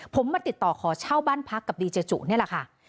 ผมมาติดต่อขอเช่าบ้านพักกับดีเจจุนี่แหละค่ะ